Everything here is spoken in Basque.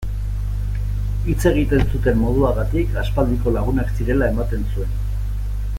Hitz egiten zuten moduagatik aspaldiko lagunak zirela ematen zuen.